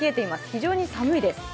非常に寒いです。